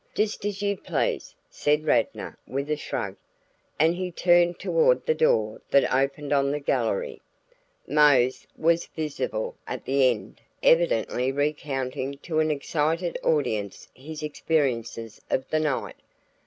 "Just as you please," said Radnor with a shrug, and he turned toward the door that opened on the gallery. Mose was visible at the end evidently recounting to an excited audience his experiences of the night.